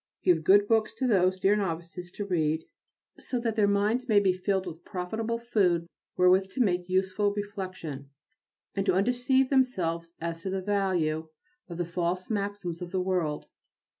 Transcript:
Give good books to those dear novices to read, so that their minds may be filled with profitable food wherewith to make useful reflection, and to undeceive themselves as to the value of the false maxims of the world.